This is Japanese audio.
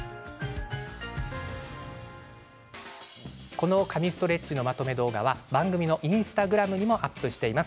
この神ストレッチのまとめ動画は番組インスタグラムにもアップしています。